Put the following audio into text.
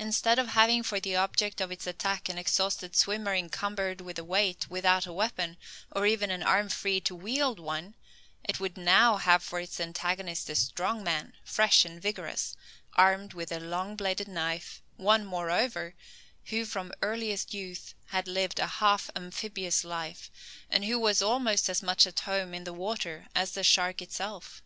Instead of having for the object of its attack an exhausted swimmer encumbered with a weight, without a weapon, or even an arm free to wield one, it would now have for its antagonist a strong man, fresh and vigorous, armed with a long bladed knife; one, moreover, who from earliest youth had lived a half amphibious life, and who was almost as much at home in the water as the shark itself.